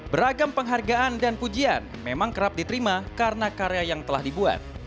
beragam penghargaan dan pujian memang kerap diterima karena karya yang telah dibuat